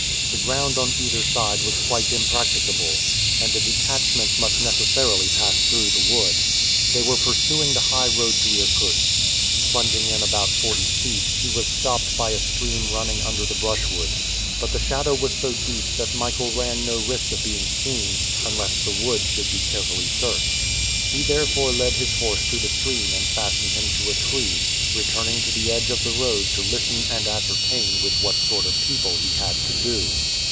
The ground on either side was quite impracticable, and the detachment must necessarily pass through the wood. They were pursuing the high road to Irkutsk. Plunging in about forty feet, he was stopped by a stream running under the brushwood. But the shadow was so deep that Michael ran no risk of being seen, unless the wood should be carefully searched. He therefore led his horse to the stream and fastened him to a tree, returning to the edge of the road to listen and ascertain with what sort of people he had to do.